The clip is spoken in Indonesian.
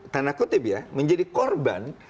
tanda kutip ya menjadi korban